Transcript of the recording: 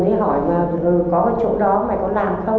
thế hỏi mà có ở chỗ đó mày có làm không